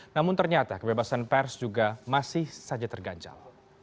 namun ternyata kebebasan pers juga masih saja terganjal